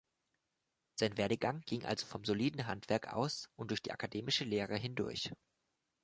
Sein Werdegang ging also vom soliden Handwerk aus und durch die akademische Lehre hindurch.